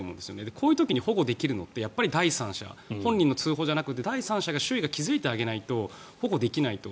こういう時に保護できるのは第三者本人の通報じゃなくて第三者周囲が気付いてあげないと保護できないと。